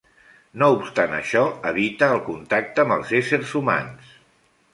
No obstant això evita el contacte amb els éssers humans.